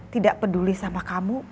tidak peduli sama kamu